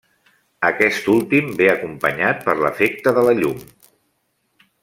Aquest últim ve acompanyat per l'efecte de la llum.